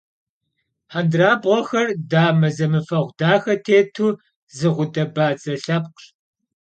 Hendırabğuexer dame zemıfeğu daxe têtu zı ğude - badze lhepkhş.